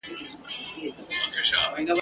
لا یې نه وو د آرام نفس ایستلی ..